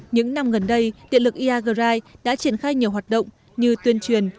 những năm gần đây điện lực iagrai đã triển khai nhiều hoạt động như tuyên truyền